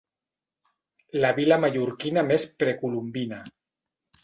La vila mallorquina més precolombina.